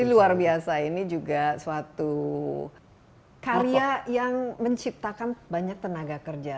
ini luar biasa ini juga suatu karya yang menciptakan banyak tenaga kerja